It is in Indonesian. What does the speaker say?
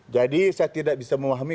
jadi saya tidak bisa memahami